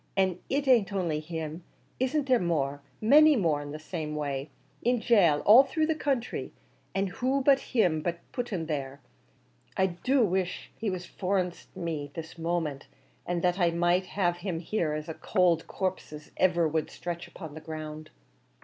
an' it an't only him; isn't there more? many more in the same way, in gaol all through the counthry; an' who but him put 'em there? I do wish he was for a nens't me this moment, an' that I might lave him here as cowld a corpse as iver wor stretched upon the ground!"